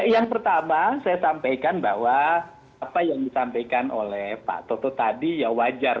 yang pertama saya sampaikan bahwa apa yang disampaikan oleh pak toto tadi ya wajar